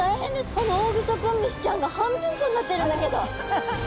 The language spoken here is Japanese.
このオオグソクムシちゃんが半分こになってるんだけど！